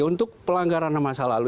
untuk pelanggaran ham yang masa lalu